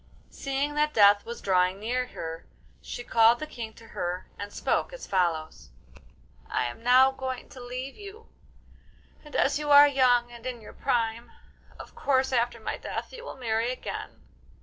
Seeing that death was drawing near her, she called the King to her and spoke as follows: 'I am now going to leave you, and as you are young and in your prime, of course after my death you will marry again.